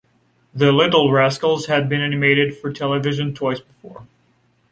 "The Little Rascals" had been animated for television twice before.